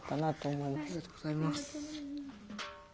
ありがとうございます。